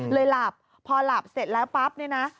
หลับพอหลับเสร็จแล้วปั๊บเนี่ยนะ